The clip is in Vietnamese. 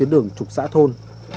đường trục xã thôn